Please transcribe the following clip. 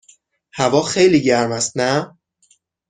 هوا خیلی گرم است، نه؟